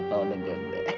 bapak udah gede